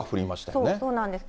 そうなんです。